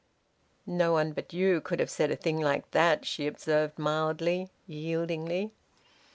"No one but you could have said a thing like that," she observed mildly, yieldingly.